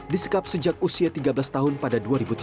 disekap sejak usia tiga belas tahun pada dua ribu tiga belas